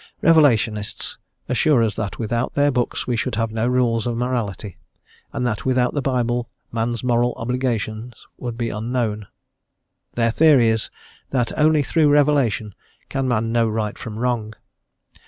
Revelationists assure us that without their books we should have no rules of morality, and that without the Bible man's moral obligations would be unknown. Their theory is that only through revelation can man know right from wrong.